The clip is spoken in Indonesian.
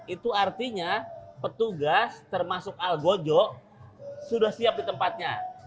itu artinya petugas termasuk al gojo sudah siap di tempatnya